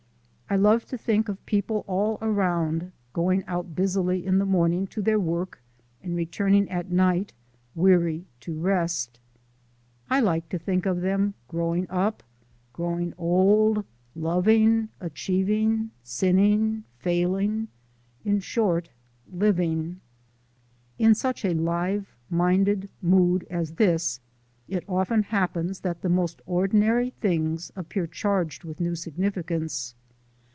I love to think of people all around going out busily in the morning to their work and returning at night, weary, to rest. I like to think of them growing up, growing old, loving, achieving, sinning, failing in short, living. In such a live minded mood as this it often happens that the most ordinary things appear charged with new significance.